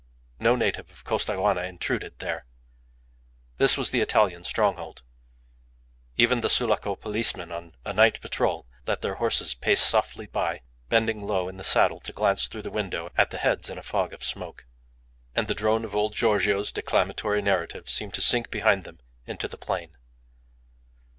No native of Costaguana intruded there. This was the Italian stronghold. Even the Sulaco policemen on a night patrol let their horses pace softly by, bending low in the saddle to glance through the window at the heads in a fog of smoke; and the drone of old Giorgio's declamatory narrative seemed to sink behind them into the plain.